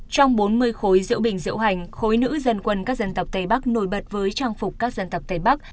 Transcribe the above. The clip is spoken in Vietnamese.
trong bốn mươi khối diễu bình diễu hành khối nữ dân quân các dân tộc tây bắc nổi bật với trang phục các dân tộc tây bắc